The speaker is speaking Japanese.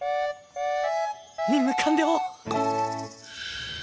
任務完了！